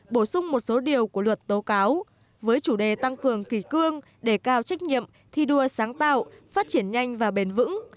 bổ sung một số điều của luật tố cáo với chủ đề tăng cường kỳ cương đề cao trách nhiệm thi đua sáng tạo phát triển nhanh và bền vững